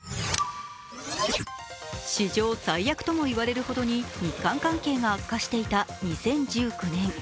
史上最悪とも言われるほどに日韓関係が悪化していた２０１９年。